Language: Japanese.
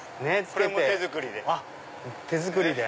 これも手作りで。